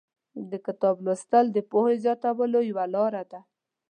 د کتاب لوستل د پوهې زیاتولو یوه لاره ده.